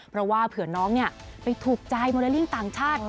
เพราะว่าเผื่อน้องไปถูกใจโมเลลิ่งต่างชาติ